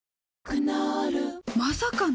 クノールまさかの！？